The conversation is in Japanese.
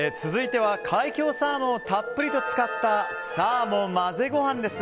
海峡サーモンをたっぷりと使ったサーモンまぜごはんです。